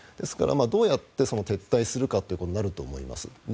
どうやって撤退するかということになると思います。